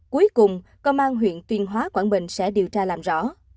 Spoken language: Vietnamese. cuối cùng công an huyện tuyên hóa quảng bình sẽ điều tra làm rõ